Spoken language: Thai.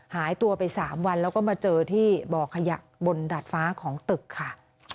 หายตัวไป๓วันแล้วก็มาเจอที่บ่อขยะบนดาดฟ้าของตึกค่ะ